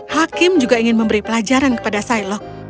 hakim juga ingin memberi pelajaran kepada sailoh